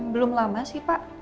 belum lama sih pak